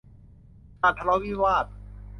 การทะเลาะวิวาท